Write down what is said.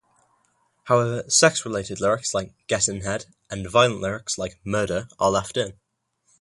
However, sex-related lyrics like "gettin' head" and violent lyrics like "murder" are left in.